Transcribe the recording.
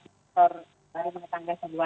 tidak ada kira kira begitu